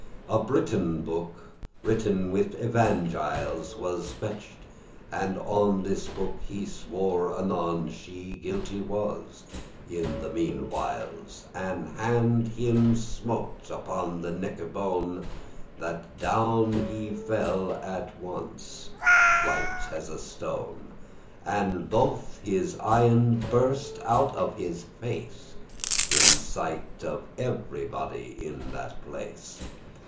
A Briton book, written with Evangiles,* *the Gospels Was fetched, and on this book he swore anon She guilty was; and, in the meanewhiles, An hand him smote upon the necke bone, That down he fell at once right as a stone: And both his eyen burst out of his face In sight of ev'rybody in that place.